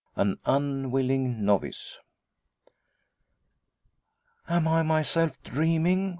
AN UNWILLING NOVICE. "Am I myself? Dreaming?